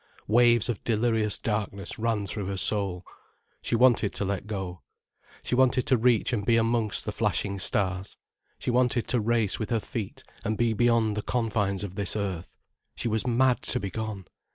Waves of delirious darkness ran through her soul. She wanted to let go. She wanted to reach and be amongst the flashing stars, she wanted to race with her feet and be beyond the confines of this earth. She was mad to be gone.